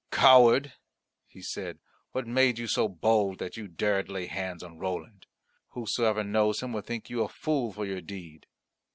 "Coward," he said, "what made you so bold that you dared lay hands on Roland? Whosoever knows him will think you a fool for your deed."